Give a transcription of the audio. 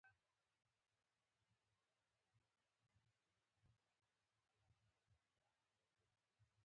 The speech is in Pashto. چرب وېښتيان ژر خیرن کېږي.